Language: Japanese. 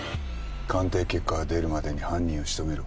鑑定結果が出るまでに犯人を仕留めろ。